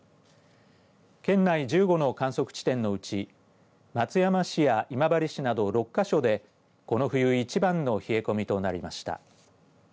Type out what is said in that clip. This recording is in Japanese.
県内１５の観測地点のうち松山市や今治市など６か所でこの冬一番の冷え込みとなりました。